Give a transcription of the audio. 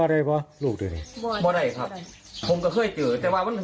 ได้บ่ลูกด้วยบ่ได้ครับผมก็เคยเจอแต่ว่ามัน